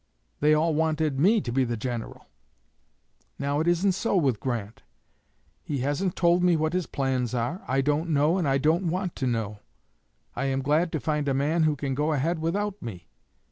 They all wanted me to be the General. Now, it isn't so with Grant. He hasn't told me what his plans are. I don't know and I don't want to know. I am glad to find a man who can go ahead without me.